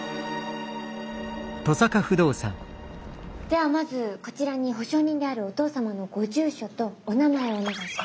ではまずこちらに保証人であるお父様のご住所とお名前をお願いします。